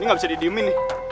ini ga bisa didiemin nih